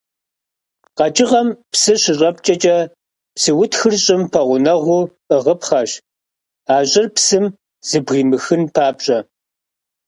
Къэкӏыгъэм псы щыщӏэпкӏэкӏэ псы утхыр щӏым пэгъунэгъуу ӏыгъыпхъэщ, а щӏыр псым зэбгыримыхын папщӏэ.